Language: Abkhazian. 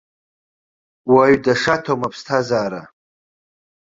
Уаҩ дашаҭом аԥсҭазаара.